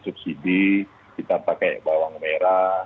subsidi kita pakai bawang merah